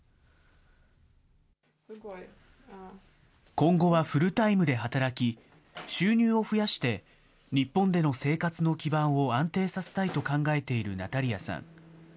今後はフルタイムで働き、収入を増やして、日本での生活の基盤を安定させたいと考えているナタリアさん。